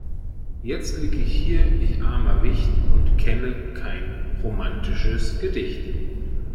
Jetzt lieg ich hier ich armer Wicht und kenne kein romatisches Gedicht.